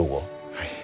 はい。